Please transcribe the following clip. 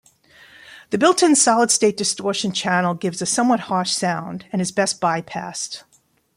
The built-in solid-state distortion channel gives a somewhat harsh sound, and is best bypassed.